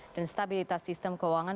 dan stabilitas sistem keuangan